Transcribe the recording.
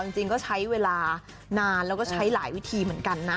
จริงก็ใช้เวลานานแล้วก็ใช้หลายวิธีเหมือนกันนะ